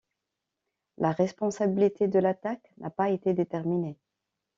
La responsabilité de l'attaque n'a pas été déterminée.